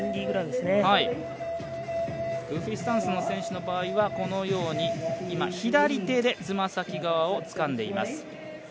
グーフィースタンスの選手の場合は、このように左手で爪先側をつかんでいます。